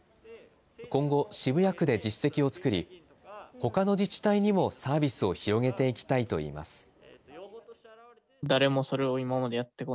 今後、渋谷区で実績を作り、ほかの自治体にもサービスを広げていきたいといいます。